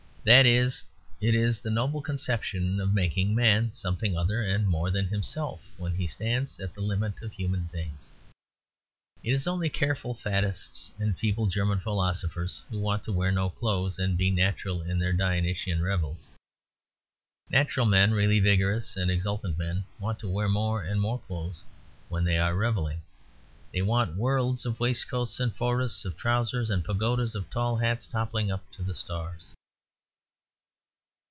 That is, it is the noble conception of making Man something other and more than himself when he stands at the limit of human things. It is only careful faddists and feeble German philosophers who want to wear no clothes; and be "natural" in their Dionysian revels. Natural men, really vigorous and exultant men, want to wear more and more clothes when they are revelling. They want worlds of waistcoats and forests of trousers and pagodas of tall hats toppling up to the stars.